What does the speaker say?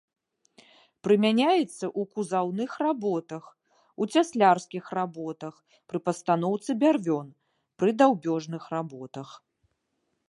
Прымяняецца ў кузаўных работах, у цяслярскіх работах пры пастаноўцы бярвён, пры даўбёжных работах.